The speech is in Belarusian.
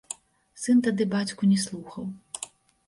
Сын тады бацьку не слухаў.